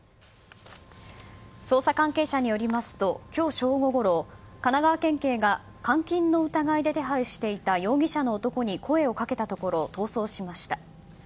捜査関係者によりますと今日正午ごろ神奈川県警が監禁の疑いで手配していた容疑者の男に声をかけたところ逃走しました。